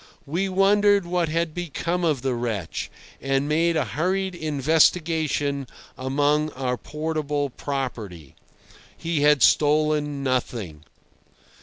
We wondered what had become of the wretch, and made a hurried investigation amongst our portable property. He had stolen nothing.